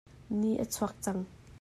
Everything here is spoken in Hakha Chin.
Ni a chuak cang.